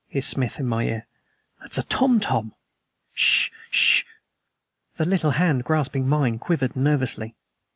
hissed Smith in my ear; "that is a tom tom!" "S sh! S sh!" The little hand grasping mine quivered nervously.